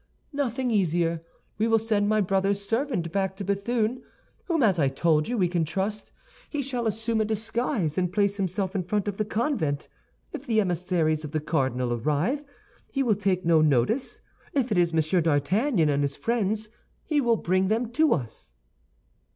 "Nothing easier. We will send my brother's servant back to Béthune, whom, as I told you, we can trust. He shall assume a disguise, and place himself in front of the convent. If the emissaries of the cardinal arrive, he will take no notice; if it is Monsieur d'Artagnan and his friends, he will bring them to us."